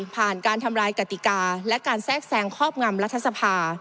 การทำลายกติกาและการแทรกแซงครอบงำรัฐสภา